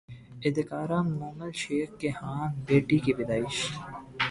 اداکارہ مومل شیخ کے ہاں بیٹی کی پیدائش